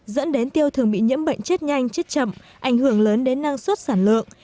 dẫn đến tiêu thường bị nhiễm bệnh chết nhanh chết chậm ảnh hưởng lớn đến năng suất sản lượng